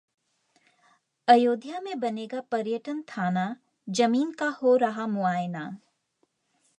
अयोध्या में बनेगा पर्यटन थाना, जमीन का हो रहा मुआयना